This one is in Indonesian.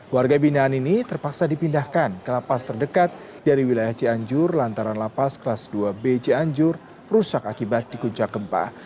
warga binaan ini terpaksa dipindahkan ke lapas terdekat dari wilayah cianjur lantaran lapas kelas dua b cianjur rusak akibat dikuncak gempa